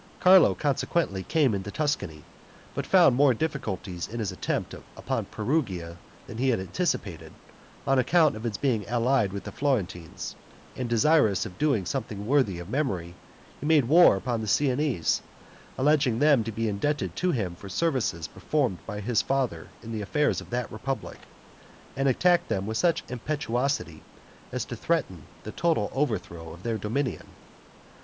Carlo consequently came into Tuscany, but found more difficulties in his attempt upon Perugia than he had anticipated, on account of its being allied with the Florentines; and desirous of doing something worthy of memory, he made war upon the Siennese, alleging them to be indebted to him for services performed by his father in the affairs of that republic, and attacked them with such impetuosity as to threaten the total overthrow of their dominion.